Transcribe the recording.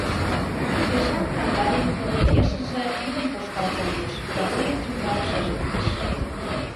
Сержант Кандалин пилоткешыже вӱдым коштал кондыш, японец ӱмбак шыжыктыш.